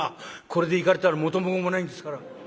これでいかれたら元も子もないんですから。